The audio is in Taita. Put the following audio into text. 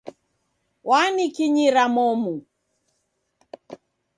Wanikinyira momu.